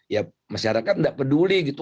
ya masyarakat nggak peduli gitu